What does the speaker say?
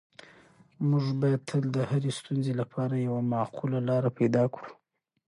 موږ باید تل د هرې ستونزې لپاره یوه معقوله لاره پیدا کړو.